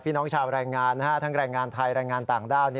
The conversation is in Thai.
น้องชาวแรงงานทั้งแรงงานไทยแรงงานต่างด้าว